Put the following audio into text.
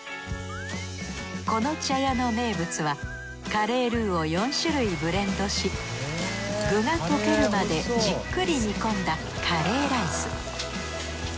この茶屋の名物はカレールーを４種類ブレンドし具が溶けるまでじっくり煮込んだカレーライス。